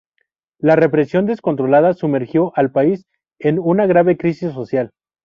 La represión descontrolada sumergió al país en una grave crisis social.